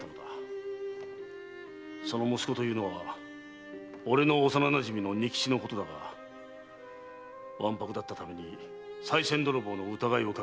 その息子というのは俺の幼なじみの仁吉のことだがわんぱくだったためにさい銭泥棒の疑いをかけられた。